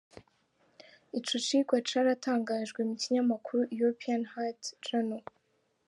Ico cigwa caratangajwe mu kinyamakuru "European Heart Journal".